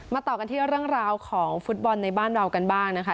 ต่อกันที่เรื่องราวของฟุตบอลในบ้านเรากันบ้างนะคะ